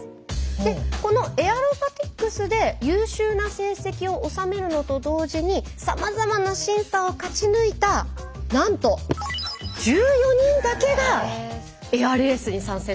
でこのエアロバティックスで優秀な成績を収めるのと同時にさまざまな審査を勝ち抜いたなんと１４人だけがエアレースに参戦できるんですよ。